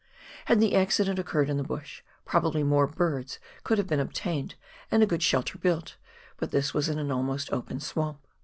Had the accident occurred in the bush, probably more birds could have been obtained and a good shelter built, but this was in an almost open swamp.